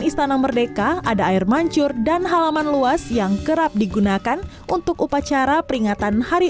istana merdeka ada air mancur dan halaman luas yang kerap digunakan untuk upacara peringatan hari